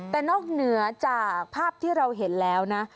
แต่นอกเหนือจากภาพที่เราเห็นแล้วนะ